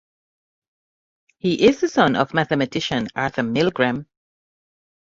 He is the son of mathematician Arthur Milgram.